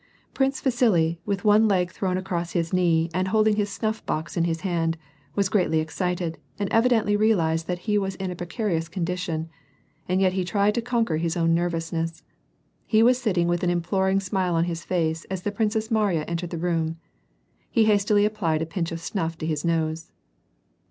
Prince Vasili — with one leg thrown across his knee, and holding his snuff box in his hand — was greatJTj' excited, and evidently realized that he was in a precarious condition, and yet he tried to conquer his own nervousness. He was sitting with an imploring smile on his fm e as the Princess Mariya entered the room. He hastily applied a pinch of snuff to his nose.